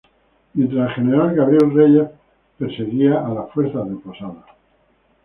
Mientras el general Gabriel Reyes perseguía a las fuerzas de Posada.